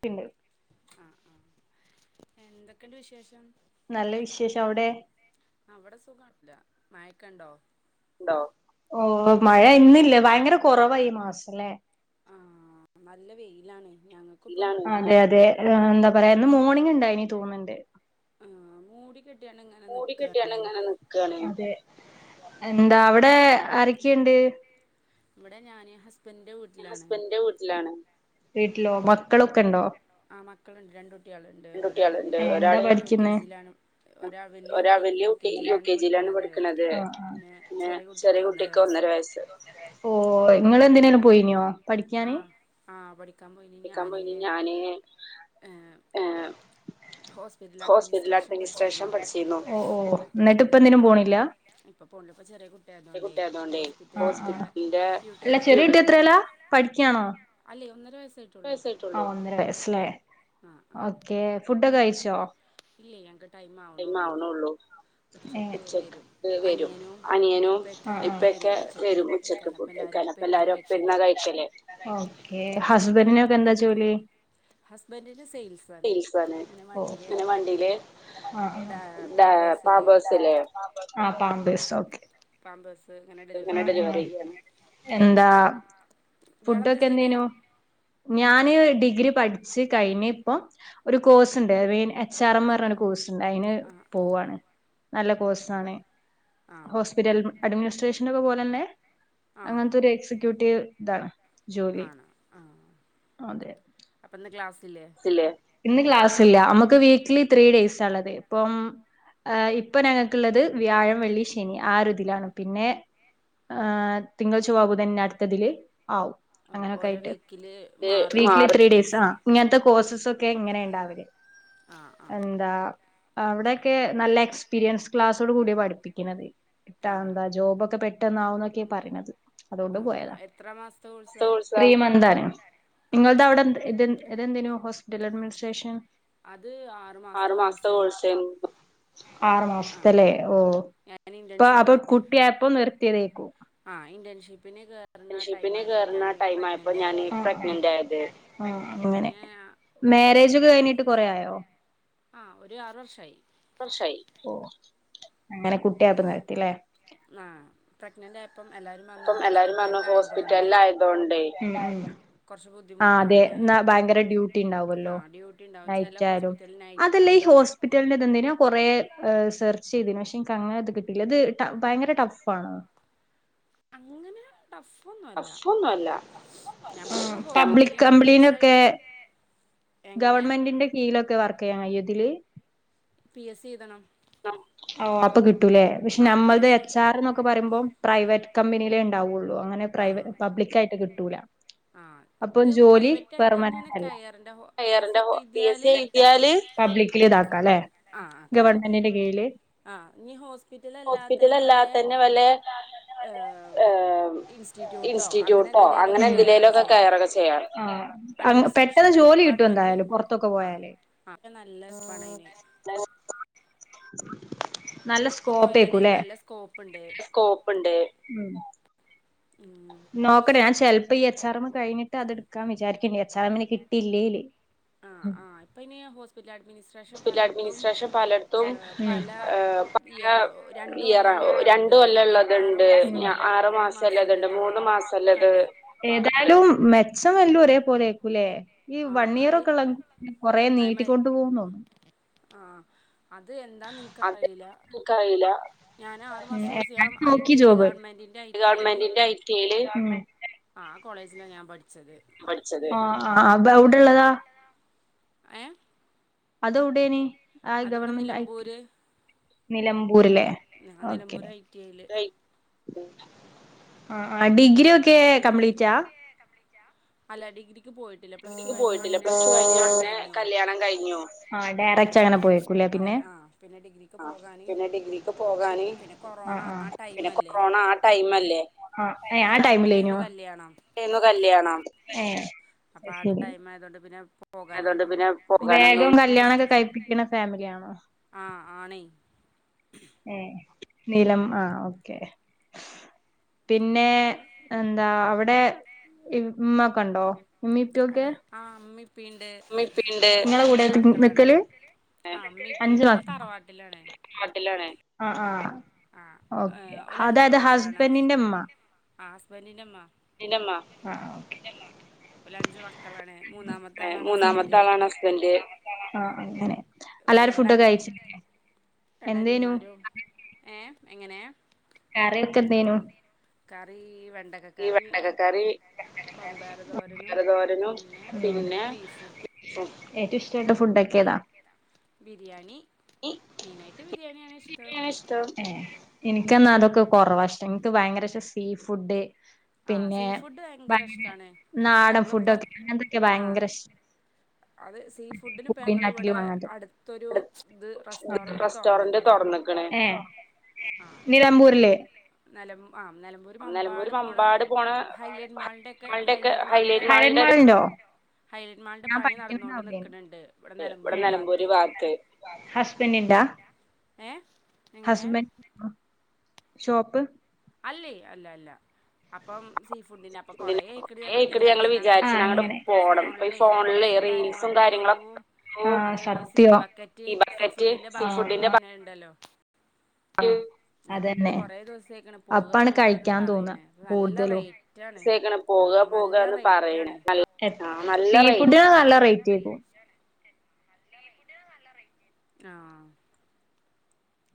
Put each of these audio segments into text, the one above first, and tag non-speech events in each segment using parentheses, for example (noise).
പിന്നെ ആഹ് എന്തൊക്കെണ്ട് വിശേഷം നല്ല വിശേഷം അവിടെ അവിടെ സുഖല്ല മയക്കണ്ടോ ഓ മഴ ഇന്നില്ല ഭയങ്കര കൊറവ ഈ മാസല്ലേ ആ നല്ല വെയിലാണ് ഞങ്ങൾക്കിപ്പം അതതെ എന്താ പറയാ മോർണിംഗ്ണ്ടായ്ന് തോന്നണ്ട് ആഹ് മൂടി കെട്ടിയാണ് ഇങ്ങനെ നിക്കാണ് അതെ എന്താ അവിടെ ആരക്കണ്ട്? ഇവിടെ ഞാൻ ഹസ്ബൻഡന്റെ വീട്ടിലാണ് വീട്ടിലോ മ മക്കളൊക്കെണ്ടോ? മക്കള്ണ്ട് രണ്ട് കു രണ്ട് കുട്ട്യേള്ണ്ട് ജിയിലാണ് ഒരാ വലിയ കുട്ടി യു കെ ജിയിലാണ് പഠിക്ക്ണത് പിന്നെ ചെറിയ കുട്ടിക്ക് ഒന്നര വയസ്സ് നിങ്ങള് എന്തിനേലും പോയിനോ? ആ ആ പഠി ക്കാൻ പോയി ഞാന് ഹോസ്പിറ്റൽ അഡ്മിനിസ്ട്രേഷൻ അഡ്മിനിസ്ട്രേഷൻ പഠിച്ചിരുന്നു പഠിച്ചീന്നു. എന്നിട്ട് അത് ഇപ്പഒന്നിനും പോണില്ലാ ഇപ്പൊ പോണില്ല ഇപ്പൊ ചെറിയ ചെറിയ കുട്ടിയായതുകൊണ്ടേ കുട്ടാ യോണ്ട് ഹോസ്പിറ്റലിന്റെ ഡ്യൂട്ടി ആയതുകൊണ്ട് ക്ക്യാണോ ല്ലേ ഒന്നര വയസാ ഒന്നര വയസായിട്ടൊള്ളൂ ആഹ് ആഹ് ഓക്കെ ഫുടൊക്കെ കഴി ച്ചോ ഇല്ലേ ഞങ്ങക്ക് ടൈം ആവണുള്ളൂ ടൈമാവ്ണള്ളു ഉച്ചക്ക് വരും ഉച്ചക്ക് വരും അനിയനും അനിയനും ഇപ്പൊക്കെ വരും ഇപ്പക്കെ ഉച്ചക്ക് വരും ഫുഡ് ഉച്ചക്ക് കഴിക്കാൻ അപ്പ ഫുഡ് എല്ലാരും കഴിക്കാൻ അപ്പ ഒപ്പരുന്നാ എല്ലാരും കഴിക്കല് ഒപ്പമിരുന്നാ കഴിക്കല് ഹസ്ബന്റിനൊക്കെ എന്താ ജോലി ഹസ്ബൻഡിന് സെയിൽസാണ് സീസാണ് ഇങ്ങനെ പ്പോ വണ്ടിയില് വണ്ടിയില് ഡാ ടാ പാമ്പേഴ്സില്ലേ പാമ്പേഴ്സ് ഇല്ലേ ആ പാമ്പേഴ്സ് ഓക്കെ പാമ്പേഴ്സ് ഇങ്ങനെ ഡെലിവറി ചെയ്യാണ് എന്താ ഇയാളെന്താ ഫുഡൊക്കെ ചെയ്യണേ എന്തേയ്നൂ ഞാന് ഡിഗ്രി പഠിച്ചു കഴിഞ്ഞ് ഇപ്പൊ ഒരു കോഴ്സ് ഉണ്ട് മീൻ എച്ച് ആർ എം പറഞ്ഞ ഒരു കോഴ്സ് ആഹ് ആഹ് അയിന്പോവാണ് നല്ല കോഴ്സ് ആണ്. ആഹ് ഹോസ്പിറ്റലിൽ അഡ്മിനിസ്ട്രേ ഷ ഇതിന്റക്കെ പോലെ തന്നേ ആഹ് അങ്ങനെത്തൊ ഒരു എക്സിക്യൂട്ടീവ് താണ് ആണ് ആഹ് അതെ ഗ്ലാസ്സ് ല്ലേ ഇന്ന് ക്ലാസ് ഇല്ല നമുക്ക് വീക്ക്ലി ത്രീ ഡേയ്സാ ള്ളത്. ഇപ്പം ഏ ഇപ്പൊ ഞങ്ങൾക്കുള്ളത് വ്യാഴം വെള്ളി ശനി ആര് ഇതിലാണ് പിന്നെ തിങ്കൾ ചൊവ്വ ബുധൻ അടുത്തതില് ആവും ഓ ഓരോ അങ്ങനൊക്കായിട്ട് വീക്കില് മാറേയ്ക്കാരംലേ ഡേയ്സ് കോഴ്സ് സൊക്കെ ഇങ്ങനെ ഉണ്ടാവല് ആഹ് ആഹ് അവിടൊക്കെ നല്ല എക്സ്പീരിയൻസ് ക്ലാസ്സോട് കൂടിയാണ് പഠിപ്പിക്കണത് കിട്ടാ ആഹ് എന്താ ജോബൊക്കെ പെ ട്ടെന്നാവുന്നൊക്കെയാ പറയുന്നത് അതുകൊണ്ട് ആഹ് പോയതാ എത്ര മാസത്തെ കോഴ്സാ ത്രീ മന്താണ്. ആഹ് നിങ്ങുടെ അവിടെ ഇത് നൊ ഹോസ്പിറ്റൽ അഡ്മിനിസ്ട്രേഷൻ അത് ആറു മാസത്തെ കോഴ്സേന്നു ആറു ആഹ് മാസത്തല്ലേ ആഹ് ഓ ഞാൻ ഇപ്പൊ അപ്പൊ ഇന്റേൺഷിപ്പിന് കുട്ട്യായപ്പൊ നിർത്തിയതേക്കും ആഹ് ഇൻറേൺഷിപ്പ് ഷിപ്പിന് കേറുന്ന ടൈം ആയപ്പോ പ്രഗ്നന്റ് ഞാൻ ആയത് പ്രഗ്നന്റ് ആയത് അപ്പൊ അങ്ങനെ പിന്നെ മാര്യേജ് ഹോസ്പിറ്റൽ കഴിഞ്ഞിട്ട് കേസ് കൊറേ ആയോ ആഹ് ഒരു ആറു വർഷായി റ് വർഷായി ഓ അങ്ങനെ കു ഇത് നിരത്തില്ലേ പ്രഗ്ൻറ്റ് ആയപ്പോ അപ്പം എല്ലാരും പറഞ്ഞു ഹോസ്പിറ്റലിൽ ആയതോണ്ടേ കൊറച്ച് ആ അതെ ബുദ്ധിമുട്ടാണ് ഭയങ്കര ഡ്യൂട്ടി ആ ഉണ്ടാവുല്ലോ ഡ്യൂട്ടി ഉണ്ടാവും ചില നൈറ്റാലും ഹോസ്പിറ്റലിൽ നൈറ്റ് അതല്ലേ ഈ ആവും ഹോസ്പിറ്റലിന്റെ ഇതെഎന്തിന കൊറേ ഹ് സെർച്ച് ചെയ്തു പക്ഷെ എനിക്ക് അങ്ങനെ അത് കിട്ടിയില്ല അത് ഭയങ്കര ടഫ് ആണ അങ്ങനെ ടഫ് ഒന്നുംല്ല ടഫൊന്നുല്ല ഉം നമ്മക്ക് ഹോസ് പബ്ലിക് പിറ്റലി ഹോസ്പിറ്റലിനായിട്ട് കമ്പനിയിലൊക്കെ ബേസായിട്ട് ഗവൺമെന്റിന്റെ കീഴിലൊക്കെ വർക്ക് ചെയ്യാൻ കഴിയും അതില് പി എസ് സി എഴുതണം ഓ അപ്പൊ കിട്ടും കിട്ടൂല്ലേ പക്ഷെ ആ പി നമ്മളുടെ എസ് സി എച്ച് ആർ എന്നൊക്കെ പറയുമ്പോ പ്രൈവ കമ്പനിയിലേ ഉണ്ടാവുള്ളൂ അങ്ങനെ പ്രൈവറ്റ് പബ്ലിക്കായിട്ട് കിട്ടും കിട്ടൂല ആഹ് ഇത് അപ്പം ജോലി പ്രൈവറ്റ് ആയിട്ട് പെർമനന്റ് തന്നെയാണ് അല്ല കയറിന്റെ പി എസ് സി എഴുതിയാല് പബ്ലിക് ലീഡാക്കാം ല്ലേ ആ ആ കയറാം ഗവൺമെന്റിന്റെ കീഴില്. ആ ഇനി ഹോസ്പിറ്റലല്ലാതെ തന്നെ വല്ല ഹോസ്പിറ്റലല്ലാത്തതന്നെ വല്ല ഇൻസ്റ്റിറ്റ്യൂട്ടോ അങ്ങനെ ഇൻസ്റ്റിറ്റ്യൂട്ടോ അങ്ങനെ എന്തിലേലൊക്കെ വല്ല കയറൊക്കെ കയറുക ചെയ്യാം ഒക്കെ ചെയ്യാം അഡ്മിനിസ്ട്രേഷൻ പെട്ടെന്ന് ജോലി കി ഡിപ്പാർട്ട്മെൻറ്റിൽ ആ ആ നല്ല പണിയിലാരുന്നു (inaudible) നല്ല സ്കോപ്പാരിക്കും അല്ലേ നല്ല സ്കോപ്പ്ണ്ട് സ്കോപ്പുണ്ട് ഉം നോക്കട്ടേ ഞാൻ ചിലപ്പോ ഈ എച്ച് ആർ എമ്മ് കഴിഞ്ഞിട്ട് അതെടുക്കും വക്കാൻ വിചാരിക്കുന്നുണ്ട് എച്ച് ആർ എമ്മിന് കിട്ടിയില്ലേല് ആ ഉം ആ ഇപ്പൊ ഇനി ഹോസ്പിറ്റൽ അഡ്മിനിസ്ട്രേഷൻ ഹോസ്പിറ്റൽ പലയിടത്തും അഡ്മിനിസ്ട്രേഷൻ പലയിടത്തും പല ഏഹ് പല ഇയറ രണ്ട് ഇയറ കൊല്ല രണ്ട് ഉള്ളതുണ്ട് കൊല്ലം ആറ് ഉള്ളത്ണ്ട് മാസം ഉള്ള തുണ്ട് മൂന്ന് മാസംഉള്ളത് മാസമല്ലേ അത് ഏതായാലും മേ ഒരേ പോലെആ രിക്കുമല്ലേ ല്ലേ ഈ വൺ ആഹ് ഇയർ അയ് ഒക്കെ ഉള്ള കൊറെ നീട്ടിക്കൊണ്ടു പോ കുന്നുന്നു ആ അത് എന്താ ന്നെനിക്കറിയില്ല ഞൻ നോക്കി ജോബ് ഗവൺമെൻറ്റിൻ്റെ ഐ ടി ഐയില് ഗവണ്മെന്റിന്റെ ഐറ്റയില് കോളജില ഞാൻ പഠിച്ച പഠിച്ചത് ആ് അപ്പ അവിടെള്ളതാ ഏ അത് എവുടേ നീ ആ ഗവൺമെന്റ് ഐ നിലമ്പൂര് നിലമ്പൂരില്ലേ ആ ഓക്കെ നിലമ്പൂർ ഐ ടി ഐയില് ആഹ ആ ഡിഗ്രി ഒക്കെ അത് കംപ്ലീറ്റാ അല്ല ഡിഗ്രി ഡിഗ്രിക്ക്പോയിട്ടില്ലപ്ലസ് റ്റുകഴിഞ്ഞ കഴിഞ്ഞു ഒടനെകല്യാണം കഴിഞ്ഞുഡയറക്അങ്ങെ പോക്ക പി ആ പിന്നെ ഡിഗ്രിക്ക് പോകാന് പിന്നെ ഡിഗ്രിക്ക് പോകാന് പിന്നെ കൊറോണ ആ പിന്നെ ടൈമല്ലേ കൊറോണ ആ ടൈമല്ലേ ആ ടൈമിലായിരുന്നു കല്യാണം ടൈമിലേനോകല്ല്യാണം ഏ അപ്പൊ ആ ടൈം ആയതുകൊണ്ട് പിന്നെ അതൊണ്ട് പോകാനൊന്നും പിന്നെ വലിയ വേഗം ഇൻട്രസ്റ്റ് കല്യാണൊക്കെ കഴിപ്പിക്കണ ഫാമിലിയ ആണോ? ആ ആണേ ഏ നീലം ആ ഓക്കെ പിന്നെ എന്താ അവിടെ ഇമ്മക്കണ്ടോ? അടെ ആഹ ഇമ്മി ഉമ്മീം ഉപ്പീണ്ട് നിങ്ങളെ കൂടെ നിക്കല് പ്പീണ്ട്ഒലഅഞ്ചുമക്കളാണ്ആഅമ്മിപ്പി അഞ്ചു ഞങ്ങ മക്ക തറവാട്ടിലാണ് നാട്ടിലാണ് ആഹ് ആഹ് ആ ഓക്കെ ഒല അഞ്ചു അതായത് മക്കളാണ് ഹസ്ബൻഡിന്റെ ഉമ്മ ആ ഹസ്ബൻറിന്റെ അമ്മ ആഹ ഓക്കെ ഒരു അഞ്ച്മക്കളാണ് മൂന്നാമത്തെ ആളാണ് മൂന്നാമത്തെ ഹസ്ബൻഡ് ആളാണ് ഹസ്ബന്ഡ് അല്ലാരുംഫുഡൊക്കെ രണ്ടനിയം കയിച്ല്ലേഎന്തേനു? രണ്ടനിയന്മാരും ഏ എങ്ങനെ? കറി ഒക്കെ എന്തേനു? കറി വെ ഈ ബമ്പയർ തോരനും വെണ്ടക്കക്കറിരതോരനും പിന്നെ പിന്നെ ബീഫും ഏറ്റവും ഇഷ്ടട്ട ഫുഡ് ഒക്കെ ഏതാ? ബിരിയാണി നീനട്ട (unintelligible) യാണി ഇഷ്ടം ഏ എനിക്ക എന്നാ അതൊക്കെ കൊറ വശം ഇത് ഭയങ്കരഷ്ടസീ ഫുഡ് ആ സീ പിന്നെ ഫുഡ് ഭയങ്കര ഇഷ്ടണേ നാടൻ ഞങ്ങളിപ്പ ഫുഡൊക്കെ അങ്ങനത്തൊക്കെ ആ ഭയങ്കര ഇഷ്ട അത് സീ ഫുഡിന ഇപ്പ ഞങ്ങ ഇവിടെ കുപ്പിനാട്ടിലും അങ്ങനത്തെ അടുത്തൊരു അടുത്ത ഇത് റെസ്റ്റോറന്റ് തുറന്നക്ണ് ഏഹ് നിലമ്പൂരില് ആഹ് നെലമ്പൂർ നിലമ്പൂര് മമ്പാട് പോണ മമ്പാട് പോണ ഹൈലൈറ്റ് മാളിന്റെ ഒക്കെ ഹൈലൈറ്റ് മാളിന്റെ ഒരു ഹൈലൈറ്റ്മാളിന്റെ ഒരു ഹൈലൈറ്റ് മാളിന്റെ പണി നടന്നുകൊണ്ട് നിൽക്കുന്നുണ്ട് ഇവിടെ ഇവ്ടെ നിലമ്പൂര് നിലമ്പൂർ ഭാഗത്ത് ഭാഗത്ത്‌ (unintelligible) ഏ എങ്ങനെ ഷോപ്പ് അല്ലേ അല്ല അല്ല അപ്പം സീ ഫുഡിന്റെ അപ്പം കൊറേ ഇതിന് അയ്ക്ക്ണ് ഞങ്ങൾ ആയിക്ക്ണ് ഞങ്ങള് വിചാരിച്ച്ണ് അങ്ങട്ട് പോണം അങ്ങട്ട് ഇപ്പൊ ഈ പോണം ഇപ്പൊ ഈ ഫോണില് ഫോണില് റീൽസും റീൽസും കാര്യങ്ങളൊക്കെ വെറും ആഹ് അതേ പിന്നെ സീ സത്യം ബക്കറ്റ് ഈ സീ ബക്കറ്റ് ഫുഡിന്റെ സീ ബക്കറ്റ് ഫുഡിന്റെ വര്ണെ ഇണ്ടല്ലോ അതന്നെ കുറേ ദിവസമായിക്കണ് പോകുക അപ്പാണ് പോകുക എന്ന് കഴിക്കാൻ തോന്ന പറയണേ നല്ല കൂട്തലും റേറ്റാണ് സയ്ക്ക്ണ് ആ പോകാ നല്ല പോകാന്ന് പറിയിണ് റേറ്റാണ് സീ ഫുഡിന് നല്ല റൈ റ്റെക്കും ആ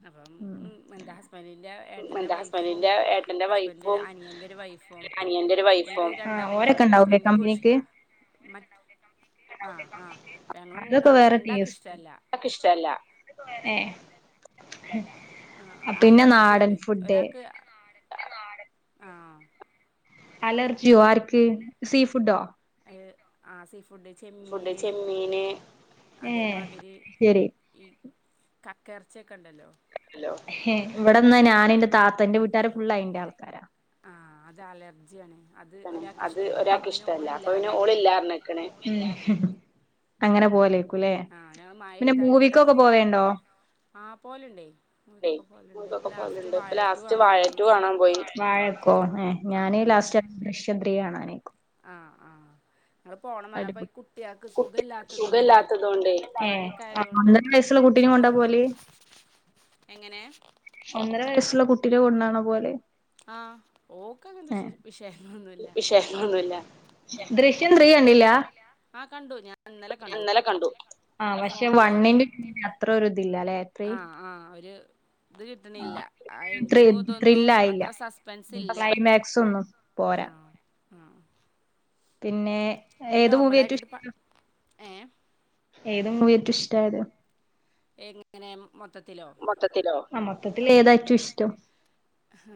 അപ്പം ഉം എന്റെ ഹസ്ബൻഡിന്റെ ഏട്ടന്റെ എന്റെ വൈഫും ഹസ്ബൻഡിന്റെ ഏട്ടന്റെ ഹസ്ബൻന്റിന്റെ വൈഫും അനിയന്റെ ഒരു വൈഫും അനിയന്റെ ഒരു ഒൽക്ക് വൈഫും ആഹ് രണ്ടാക്കും ഓരൊക്കെ ഭയങ്കര ഇഷ്ടാ ഉണ്ടാവൂലേ ഇൻക്കും കമ്പനിക്ക് ഇഷ്ടാ ആ ആ അപ്പൊ ഞങ്ങൾ മൂന്നാളും രണ്ടാക്ക് ഇഷ്ടല്ല ഷ്ട ഇല്ല ഏ ആ അലർജിയാണ് ഫുഡ് ഒരാക്ക് ആ അലർജിയോ ആർക്ക് സീ ഫുഡോ ക്ക് ആ സീ ഫു ഫുഡ് ഫുഡ് ചെമ്മീന് ചെമ്മീന് ഏഹ് അതേമാതിരി ഈ കക്ക എർച്ചി ഹേ ഇവിടെന്നാ നാൻ ഇന്റെ താത്തന്റെ വീട്ടാര് ഫുള്ള് അയിന്റെ ആളാ ആ അത് അലർജിയാണ് അത് തന്നെ ഒരാൾക്ക് അത് ഇഷ്ടല്ല അപ്പൊ ഒരാൾക്ക് പിന്നെ ഇഷ്ടല്ല അപ്പൊ ഓളില്ലാ പിന്നെ ഓൾ പറഞ്ഞിക്കണ് ഇല്ലാറ്ണ്ക്ക്ണ് അങ്ങനെ പോവൽ എയ്ക്കും ക്കും ലെ ആഹ് ഞങ്ങൾ മഴ പിന്നെ പെയ്താൽ ഇവിടെ മൂവിക്കൊക്കെ പോവെണ്ടോ ആ പോലുണ്ടേ ഇണ്ടെയ് മൂവിക്കൊക്കെ പോലുണ്ട് ഇപ്പ മൂവിക്കൊക്കെ പേവെ ലാസ്റ്റ് ഇണ്ട് വാഴ ഇപ്പ ടു ലാസ്റ്റ് കാണാൻ വാഴ പോയി റ്റു. കാണാൻ പോയി വാഴക്കോ ഏ ആ ഞാൻ ഉം ലാസ്റ്റ് ഗബ്രിയെ കാണാനെയ്ക്കും ങ്ങൾ പോണംന്ന് പർഞ്ഞ് അപ്പം ഈ അടിപൊളി കുട്ട്യാക് കുട്ടിക്ക് സുഖല്ലാത്തതൊണ്ടേ സുഖല്ലാത്തതോണ്ടേ ഏഹ് മഴക്കെ ആയതോണ്ട് ഒന്നര വയസ്സുള്ള കുട്ടീനെ കൊണ്ടാ വെറു പോവല് എങ്ങനെ ട്ട്ള്ള കുട്ടിനെ കൊണ്ടാണോ പോവല് ആ ഓക്ക് അങ്ങൻത്തെ ഏഹ് വിശേഷ വിശയങ്ങളൊന്നുല്ല ച്ചെ ആ ഓ ണ്ടില്ല ഞാ ഇന്നലെ കണ്ടു പക്ഷെ ഫോണില് വണ്ണിന്റെ വീഡിയോ അത്രൊരു ഇതില്ലാ ലെ ആ ആ അവര് ഇത് കിട്ടണില്ല ആ ആഹ് ത്രി എന്റിങ്ങും ഇതൊന്നും ത്രില്ലായില്ല അത്ര സസ്പെൻസ് ഇൽ ക്ലൈമാക്സ് ഒന്നും പോരാ പിന്നെ ഏത് മൂവി ഏറ്റും നോർമലായിട്ടൊരു പ ഇഷ് ഏ ഏത് മൂവിയാ ഏറ്റും ഇഷ്ടായത്? എങ്ങനെ? മൊത്തത്തിലോ? മൊത്തത്തിലോ മൊത്തത്തിൽ ഏത ആഹ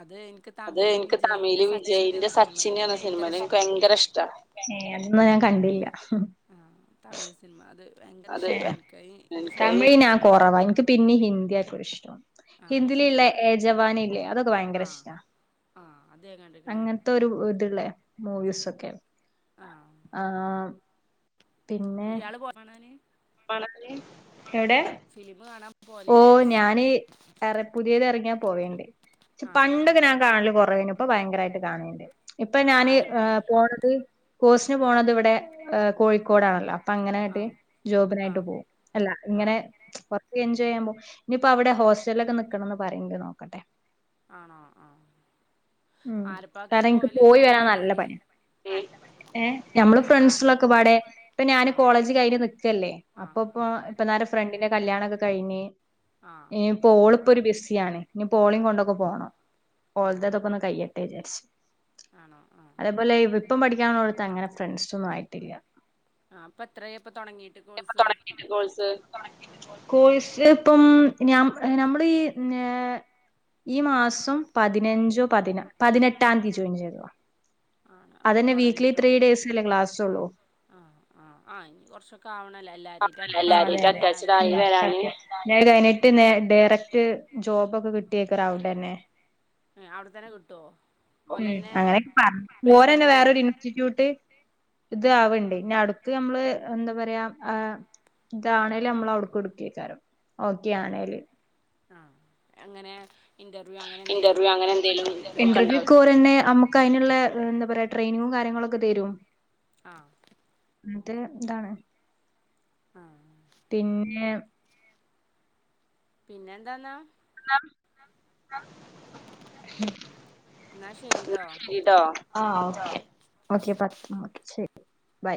അത് എനിക്ക് അത് തമിഴില് എനിക്ക് തമിഴ വിജയിന്റെ സച്ചിൻ എന്ന വിജയിന്റെ സിനിമയിൽ എനിക്ക് സച്ചിനന്ന ഭയങ്കര സിനിമല്ല എനിക്ക് ഇഷ്ടാ ഭയങ്കര ഇഷ്ട ന്ന ഞാൻ കണ്ടില്ല ആഹ തമിഴ് സിനിമ അത് ഭയങ്കര ഇഷ്ടമാണ് എനിക്ക് അത് എൻ്റെ ഫോണിൽ തമിഴ് എപ്പോഴും ഉണ്ട് ആ ഹിന്ദിയും നാൻകൊറവഎനിക്ക്പിന്നെഹിന്ദിആയിക്കോഇഷ്ടമാണ്ഹിന്ദിയിലുള്ള കാണും ഏജവാന ഇല്ലേ അതൊക്കെ ഭയങ്കര ആ ഇഷ്ടമാണ് ആ അത് ഞാൻ കണ്ടിരിക്കണേ അങ്ങനത്തെ ഒരു ഇത്ളള മൂവി സൊക്കെ ആ ആഹ് ഇയാള് പോണെ വണേ (unintelligible) ഫിലിമ് കാണാ ഓ ഞാന് പുതിയത് എറങ്ങിയാ പോവേണ്ട് ആ ആ പണ്ടൊക്കെ ഞാൻ കാണല് കൊറവേനി ഇപ്പ ഭയങ്കരായിട്ട് കാണേണ്ട് ഇപ്പൊ ആ ഞാന് ആരപ്പ പോ- പോണത് കോഴ്സ്ന് പോണത് ഇവിടെ കോഴിക്കോടാണല്ലോ അപ്പൊ അങ്ങനെ ആ ങ്ങട്ട് ആ ജോബിനായിട്ട് പോകും അല്ല ആ ഇങ്ങനെ ജയമോ ഇനിയിപ്പോ അവിടെ ഹോസ്റ്റലൊക്കെ നിക്കണംന്ന് പറയിണ്ട് നോ ക്കട്ടെ (unintelligible) ആണോ ആ ഉ ആരപ്പാക്കിയ കാരണം എനിക്ക് പോവല് പോയി ഫിലിം വരാൻ നല്ല കാണാന് പണിയ ഏ ഞമ്മള് ഫ്രട് ആ സൊളൊക്കെപാടെ പ്പം ഞാന് കോളേജ് കഴിഞ്ഞ് നിക്ക്ല്ലേ ആ ആ അപ്പൊ ഇപ്പ ഇപ്പനേര ഫ്രണ്ടിനെക്കെ കല്യാണ കഴിഞ്ഞ് ആ ഇനി പോളിപ്പോ ഒരു ബിസിയാണ് ഇനി ആ പോളിം കൊണ്ടൊക്കെ പോണം ഓ ഇപോളതൊക്ക ഒന്ന് കയ്യട്ടെ വിചാരിച്ചു ആണോ ആ അതേപോലെ ഇപ്പം പഠിക്കാനോടത്ത് അങ്ങനെ ഫ്രണ്ട്സ ഒന്നും ആയിട്ടില്ല ആ അപ്പം എത്രയായി ഇപ്പം തുടങ്ങിയിട്ട് കോഴ്സ് കോഴസ് ഇപ്പം നമ്മൾ ഈ ഈ മാസ സം പതിനഞ്ച പ പതിനെട്ടാം തീയതി ജോയിൻ ചെയ്ത ആണ് ആ അതന്നെ വീക്കലി ത്രീ തുടങ്ങിയിട്ടുള്ളൂല്ലേ ഡേയ്സ് അല്ലേ ക്ലാസള്ളൂ ആ ആ ആ ഇനി കുറച്ചൊക്കെ ആവണല്ലോ എല്ലാവരുമായിട്ട് അറ്റാച്ച്ഡ് എല്ലാരും ആയി ഇതില് വരാന് അറ്റാച്ചിടായിട്ട് വരാന് ഇനി അത്കഴഞ്ഞിട്ട് ഡയറക്ട് ജോബൊക്കെ കിട്ട അവിടെത്തന്നെ കിട്ടുമോ (unintelligible) ഉ ഓലന്നെ അങ്ങനെയൊക്കെ പറഞ്ഞ പോരന്നെ പ്ലേസ്മെന്റ് വേറൊരു തരുമോ ഇൻസ്റ്റിറ്റ്യൂട്ട് ഇത് ആവണ്ട് ഇനി അടുത്ത് നമ്മള് എന്താ പറയാ ആ ഇതാണേല് നമ്മൾ അവിടെക്ക് എടുക്ക്‌ എയ്ക്കാരം ഓക്കെ ആണേല് അ എങ്ങനെ ഇന്റർവ്യൂ ഒക്കെ ഓലെന്നെ അമ്മക്ക് അയ്ന്ള്ള ട്രെയ്നിംങ്ങും കാര്യ ങ്ങളൊകെ തെരും ആ മറ്റേ ഇതാണ് ആ പിന്നെ പിന്നെ എന്താന്നാ അ എന്നാ ന്ന ശരിട്ടോ ശരിട്ടോ ആഹ് ഓക്കെ ബൈ ബൈ